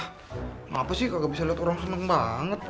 kenapa sih kagak bisa liat orang seneng banget